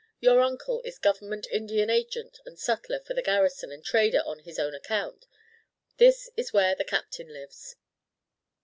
Your uncle is Government Indian Agent and sutler for the garrison and trader on his own account. This is where the Captain lives."